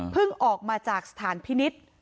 ออกมาจากสถานพินิษฐ์